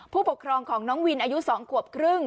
ผู้ปกครองของน้องวินอายุ๒ขวบครึ่ง